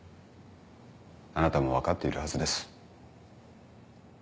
あなたも分かっているはずです。